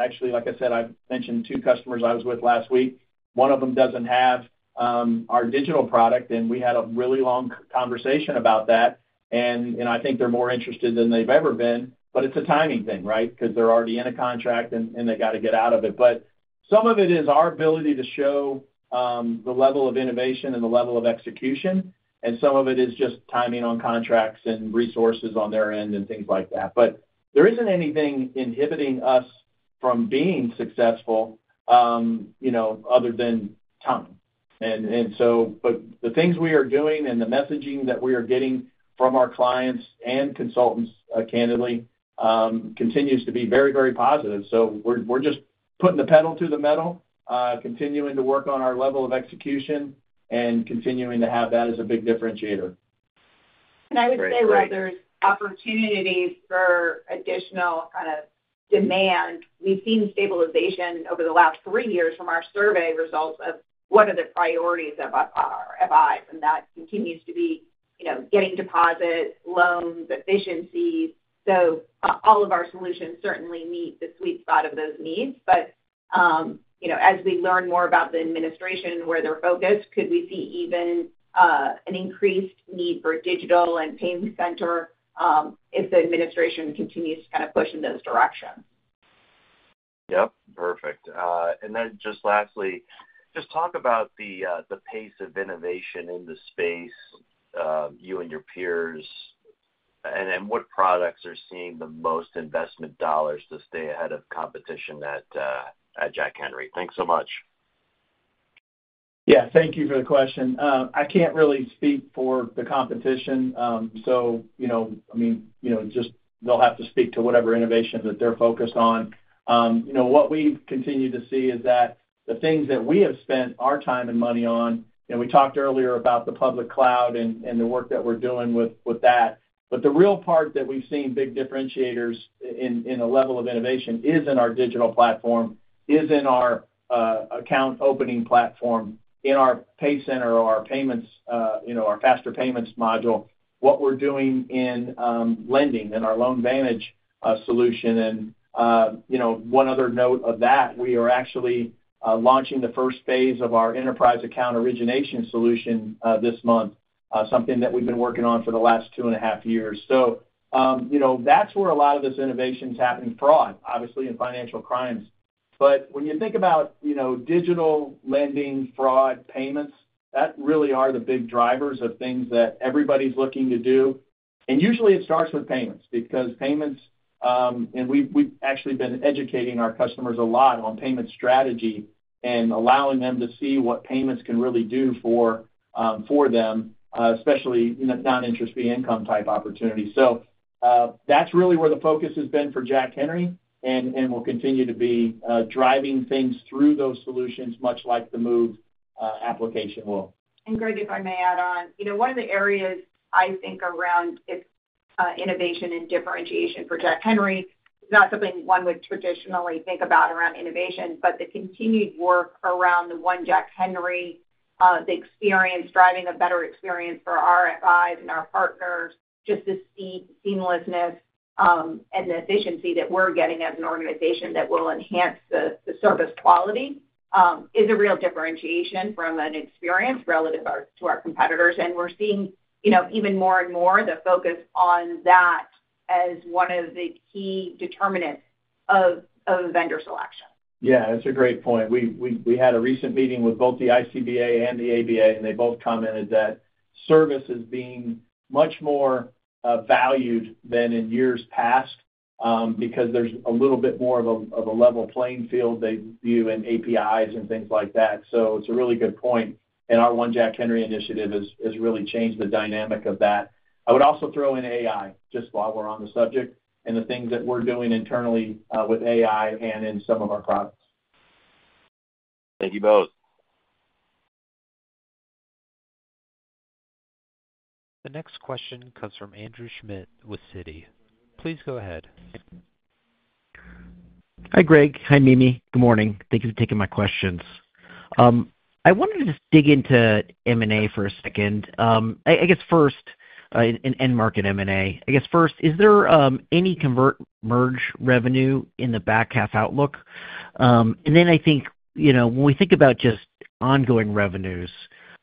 Speaker 3: actually, like I said, I mentioned two customers I was with last week. One of them doesn't have our digital product, and we had a really long conversation about that. And I think they're more interested than they've ever been. But it's a timing thing, right? Because they're already in a contract and they got to get out of it but, some of it is our ability to show the level of innovation and the level of execution. And some of it is just timing on contracts and resources on their end and things like that but there isn't anything inhibiting us from being successful other than time, And so, but the things we are doing and the messaging that we are getting from our clients and consultants, candidly, continues to be very, very positive so we're just putting the pedal to the metal, continuing to work on our level of execution and continuing to have that as a big differentiator.
Speaker 4: And I would say where there's opportunities for additional kind of demand, we've seen stabilization over the last three years from our survey results of what are the priorities of FIs. and that continues to be getting deposits, loans, efficiencies. So all of our solutions certainly meet the sweet spot of those needs. But as we learn more about the administration and where they're focused, could we see even an increased need for digital and PayCenter if the administration continues to kind of push in those directions.
Speaker 13: Yep perfect. And then just lastly, just talk about the pace of innovation in the space, you and your peers, and what products are seeing the most investment dollars to stay ahead of competition at Jack Henry? Thanks so much.
Speaker 3: Yeah thank you for the question. I can't really speak for the competition. So I mean, just they'll have to speak to whatever innovation that they're focused on. What we continue to see is that the things that we have spent our time and money on, and we talked earlier about the public cloud and the work that we're doing with that. But the real part that we've seen big differentiators in the level of innovation is in our digital platform, is in our account opening platform, in our PayCenter, our faster payments module, what we're doing in lending and our LoanVantage solution. And one other note of that, we are actually launching the first phase of our Enterprise Account Origination solution this month, something that we've been working on for the last two and a half years. So that's where a lot of this innovation is happening, fraud, obviously, and financial crimes. But when you think about digital lending, fraud, payments, that really are the big drivers of things that everybody's looking to do. And usually it starts with payments because payments, and we've actually been educating our customers a lot on payment strategy and allowing them to see what payments can really do for them, especially non-interest fee income type opportunities so, that's really where the focus has been for Jack Henry and will continue to be driving things through those solutions, much like the Moov application will.
Speaker 4: And Greg, if I may add on, one of the areas I think around innovation and differentiation for Jack Henry is not something one would traditionally think about around innovation, but the continued work around the One Jack Henry, the experience, driving a better experience for our FIs and our partners, just the seamlessness and the efficiency that we're getting as an organization that will enhance the service quality is a real differentiation from an experience relative to our competitors and we're seeing even more and more the focus on that as one of the key determinants of vendor selection.
Speaker 3: Yeah that's a great point we had a recent meeting with both the ICBA and the ABA, and they both commented that service is being much more valued than in years past because there's a little bit more of a level playing field they view in APIs and things like that, so it's a really good point, and our One Jack Henry initiative has really changed the dynamic of that. I would also throw in AI, just while we're on the subject, and the things that we're doing internally with AI and in some of our products.
Speaker 13: Thank you both.
Speaker 1: The next question comes from Andrew Schmidt with Citi. Please go ahead.
Speaker 14: Hi, Greg. Hi, Mimi, Good morning. Thank you for taking my questions. I wanted to just dig into M&A for a second. I guess first, in-market M&A, is there any convert/merge revenue in the back half outlook? And then I think when we think about just ongoing revenues,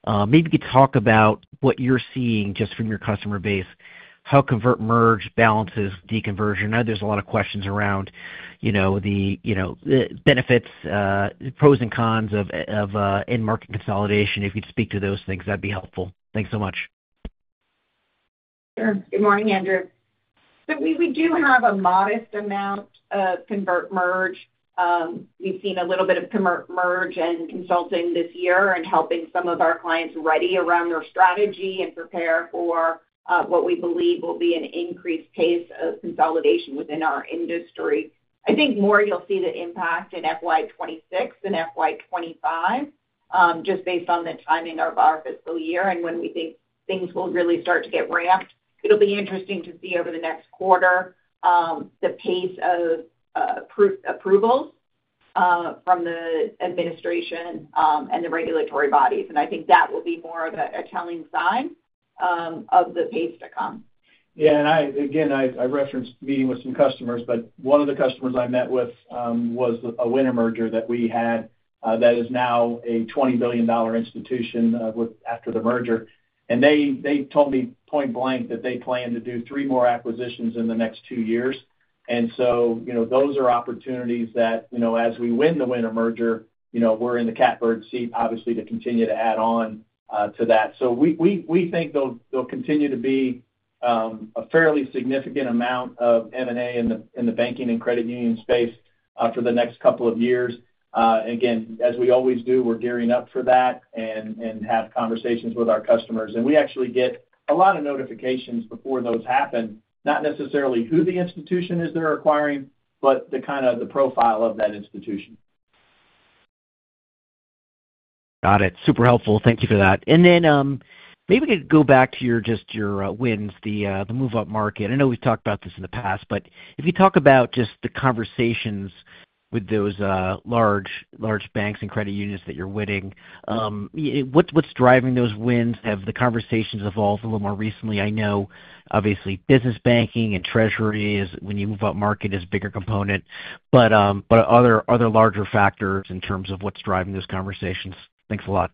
Speaker 14: maybe you could talk about what you're seeing just from your customer base, how convert/merge balances deconversion i know there's a lot of questions around the benefits, pros and cons of in-market consolidation if you could speak to those things, that'd be helpful thanks so much.
Speaker 4: Sure. Good morning, Andrew. So we do have a modest amount of convert/merge. We've seen a little bit of convert/merge and consulting this year and helping some of our clients ready around their strategy and prepare for what we believe will be an increased pace of consolidation within our industry. I think more you'll see the impact in FY26 than FY25. Just based on the timing of our fiscal year and when we think things will really start to get ramped. It'll be interesting to see over the next quarter the pace of approvals from the administration and the regulatory bodies, and I think that will be more of a telling sign of the pace to come.
Speaker 3: Yeah and again, I referenced meeting with some customers, but one of the customers I met with was a Wintrust merger that we had that is now a $20 billion institution after the merger. And they told me point-blank that they plan to do three more acquisitions in the next two years. And so those are opportunities that as we win the Wintrust merger, we're in the catbird seat, obviously, to continue to add on to that. So we think they'll continue to be a fairly significant amount of M&A in the banking and credit union space for the next couple of years. Again, as we always do, we're gearing up for that and have conversations with our customers and we actually get a lot of notifications before those happen, not necessarily who the institution is they're acquiring, but the kind of profile of that institution.
Speaker 14: Got it. Super helpful thank you for that and then maybe we could go back to just your wins, the move-up market i know we've talked about this in the past, but if you talk about just the conversations with those large banks and credit unions that you're winning, what's driving those wins? Have the conversations evolved a little more recently i know, obviously, business banking and treasury is, when you move up market, is a bigger component. But are there larger factors in terms of what's driving those conversations? Thanks a lot.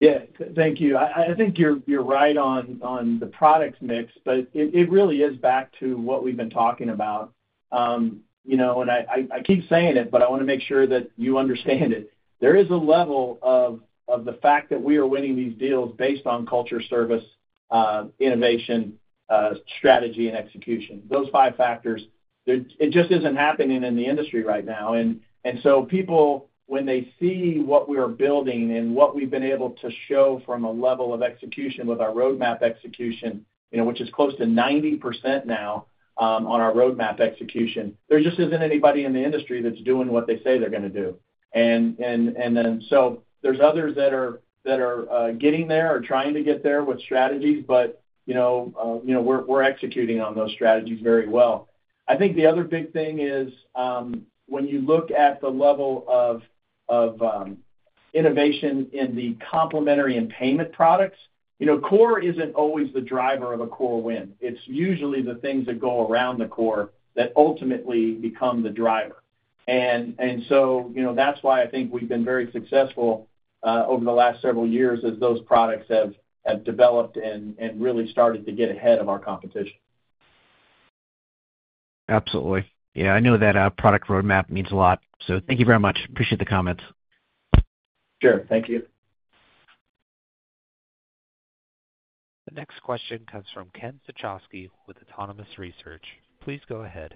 Speaker 3: Yeah thank you, I think you're right on the product mix, but it really is back to what we've been talking about. And I keep saying it, but I want to make sure that you understand it. There is a level of the fact that we are winning these deals based on culture, service, innovation, strategy, and execution those five factors, it just isn't happening in the industry right now. And so people, when they see what we are building and what we've been able to show from a level of execution with our roadmap execution, which is close to 90% now on our roadmap execution, there just isn't anybody in the industry that's doing what they say they're going to do. And then so there's others that are getting there or trying to get there with strategies, but we're executing on those strategies very well. I think the other big thing is when you look at the level of innovation in the complementary and payment products, core isn't always the driver of a core win. It's usually the things that go around the core that ultimately become the driver, and so that's why I think we've been very successful over the last several years as those products have developed and really started to get ahead of our competition.
Speaker 14: Absolutely. Yeah i know that product roadmap means a lot. So thank you very much. Appreciate the comments.
Speaker 3: Sure. Thank you.
Speaker 1: The next question comes from Ken Suchoski with Autonomous Research. Please go ahead.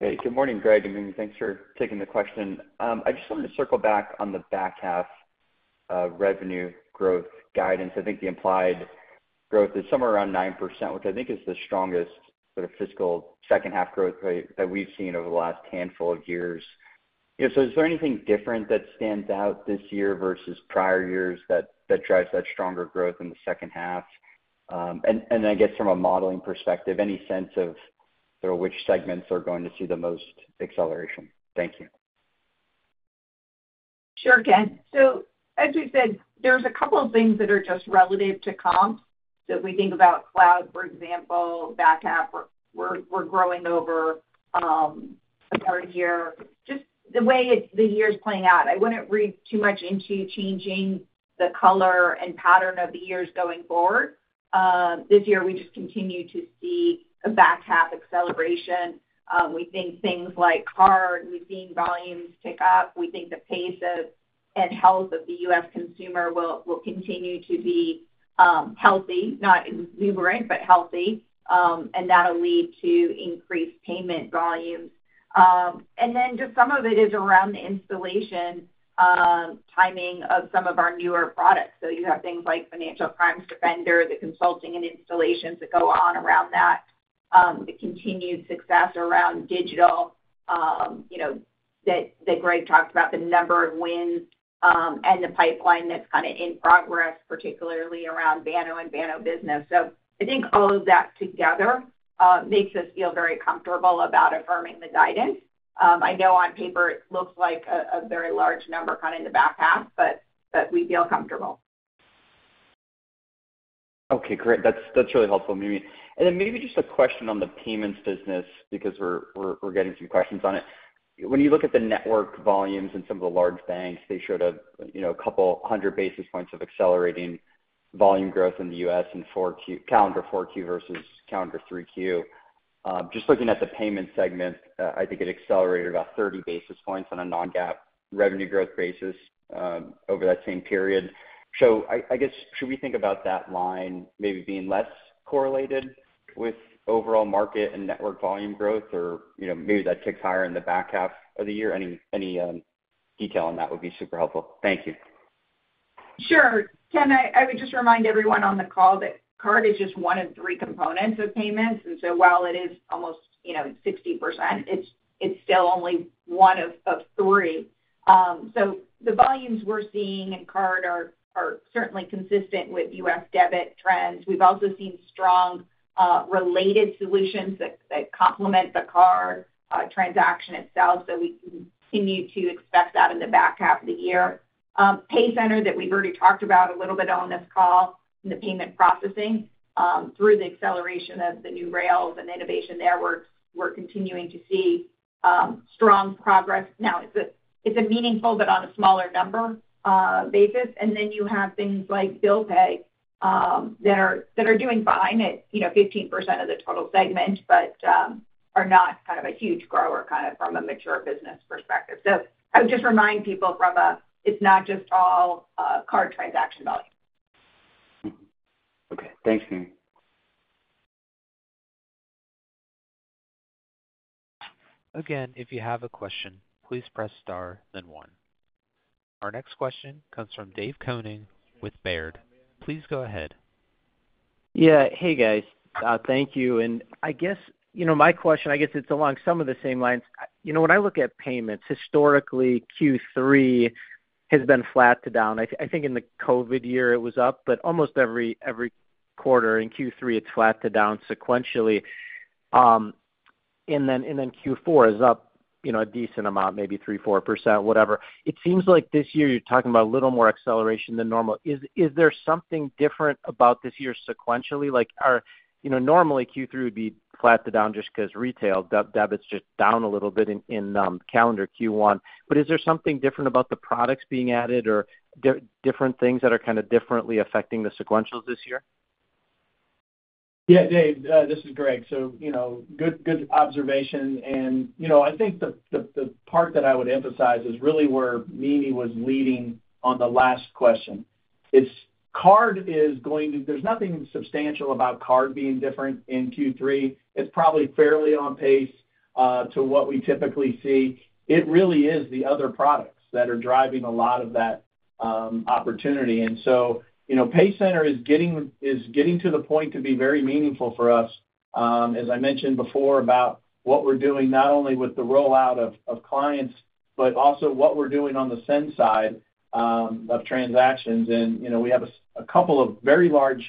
Speaker 15: Hey, good morning, Greg and Mimi. Thanks for taking the question. I just wanted to circle back on the back half revenue growth guidance i think the implied growth is somewhere around 9%, which I think is the strongest sort of fiscal second-half growth rate that we've seen over the last handful of years. So is there anything different that stands out this year versus prior years that drives that stronger growth in the second half? And then I guess from a modeling perspective, any sense of which segments are going to see the most acceleration? Thank you.
Speaker 4: Sure, Ken. So as we said, there's a couple of things that are just relative to comps. So if we think about cloud, for example, back half, we're growing over a third year. Just the way the year is playing out, I wouldn't read too much into changing the color and pattern of the years going forward. This year, we just continue to see a back half acceleration. We think things like card, we've seen volumes pick up we think the pace and health of the U.S. consumer will continue to be healthy, not exuberant, but healthy. And that'll lead to increased payment volumes. And then just some of it is around the installation timing of some of our newer products so you have things like Financial Crimes Defender, the consulting and installations that go on around that, the continued success around digital that Greg talked about, the number of wins and the pipeline that's kind of in progress, particularly around Banno and Banno Business so I think all of that together makes us feel very comfortable about affirming the guidance. I know on paper it looks like a very large number kind of in the back half, but we feel comfortable.
Speaker 15: Okay great that's really helpful, Mimi. And then maybe just a question on the payments business because we're getting some questions on it. When you look at the network volumes in some of the large banks, they showed a couple hundred basis points of accelerating volume growth in the U.S. in calendar 4Q versus calendar 3Q. Just looking at the payment segment, I think it accelerated about 30 basis points on a non-GAAP revenue growth basis over that same period. So I guess should we think about that line maybe being less correlated with overall market and network volume growth, or maybe that ticks higher in the back half of the year? Any detail on that would be super helpful thank you.
Speaker 4: Sure, Ken, I would just remind everyone on the call that card is just one of three components of payments and so while it is almost 60%, it's still only one of three. So the volumes we're seeing in card are certainly consistent with U.S. debit trends we've also seen strong related solutions that complement the card transaction itself so we continue to expect that in the back half of the year. PayCenter that we've already talked about a little bit on this call and the payment processing through the acceleration of the new rails and innovation there, we're continuing to see strong progress now, it's a meaningful but on a smaller number basis and then you have things like bill pay that are doing fine at 15% of the total segment, but are not kind of a huge grower kind of from a mature business perspective. So I would just remind people that it's not just all card transaction volume.
Speaker 15: Okay. Thanks, Mimi.
Speaker 1: Again, if you have a question, please press star, then one. Our next question comes from Dave Koning with Baird. Please go ahead.
Speaker 16: Yeah. Hey, guys. Thank you and I guess my question, I guess it's along some of the same lines. When I look at payments, historically, Q3 has been flat to down i think in the COVID year, it was up, but almost every quarter in Q3, it's flat to down sequentially. And then Q4 is up a decent amount, maybe 3%-4%, whatever. It seems like this year you're talking about a little more acceleration than normal, Is there something different about this year sequentially? Normally, Q3 would be flat to down just because retail debits just down a little bit in calendar Q1. But is there something different about the products being added or different things that are kind of differently affecting the sequentials this year?
Speaker 3: Yeah, Dave, this is Greg. So good observation. And I think the part that I would emphasize is really where Mimi was leading on the last question. Card is going to there's nothing substantial about card being different in Q3 it's probably fairly on pace to what we typically see. It really is the other products that are driving a lot of that opportunity and so, PayCenter is getting to the point to be very meaningful for us. As I mentioned before about what we're doing, not only with the rollout of clients, but also what we're doing on the Send side of transactions and we have a couple of very large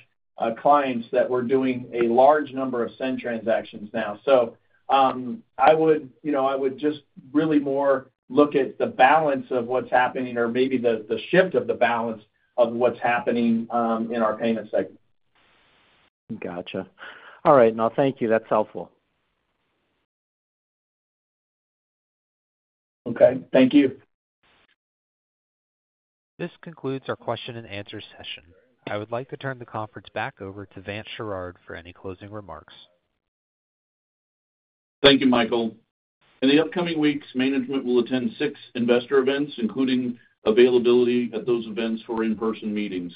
Speaker 3: clients that we're doing a large number of Send transactions now. So I would just really more look at the balance of what's happening or maybe the shift of the balance of what's happening in our payment segment.
Speaker 16: Gotcha. All right, No, thank you that's helpful.
Speaker 3: Okay. Thank you.
Speaker 1: This concludes our question and answer session. I would like to turn the conference back over to Vance Sherard for any closing remarks.
Speaker 2: Thank you, Michael. In the upcoming weeks, management will attend six investor events, including availability at those events for in-person meetings.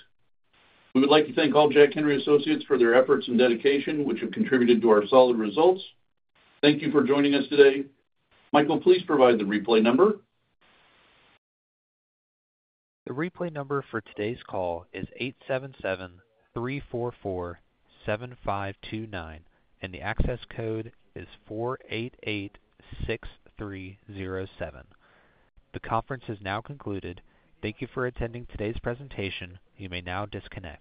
Speaker 2: We would like to thank all Jack Henry & Associates for their efforts and dedication, which have contributed to our solid results. Thank you for joining us today. Michael, please provide the replay number.
Speaker 1: The replay number for today's call is 877-344-7529, and the access code is 4886307. The conference has now concluded. Thank you for attending today's presentation. You may now disconnect.